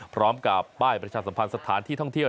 พร้อมกับป้ายประชาสัมพันธ์สถานที่ท่องเที่ยว